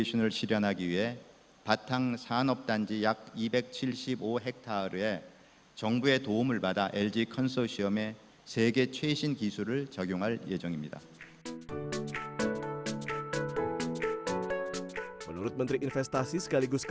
selain menjadi bagian penting dalam ekosistem kendaraan listrik